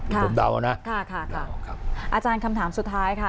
ผมเดาเอานะค่ะค่ะครับอาจารย์คำถามสุดท้ายค่ะ